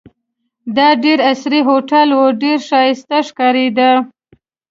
دا ډېر عصري هوټل وو، ډېر ښایسته ښکارېده.